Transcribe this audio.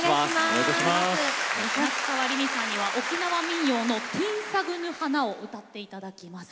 夏川りみさんには沖縄民謡の「てぃんさぐぬ花」を歌っていただきます。